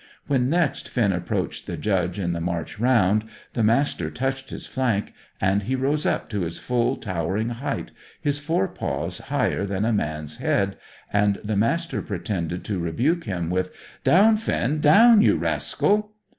When next Finn approached the Judge in the march round, the Master touched his flank, and he rose up to his full towering height, his fore paws higher than a man's head, and the Master pretended to rebuke him with: "Down, Finn! Down, you rascal!"